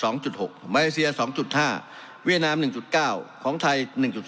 ในเอเซีย๒๕เวียน้ำ๑๙ของไทย๑๒